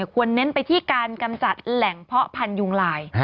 เน้นไปที่การกำจัดแหล่งเพาะพันธุยุงลาย